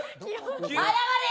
謝れよ！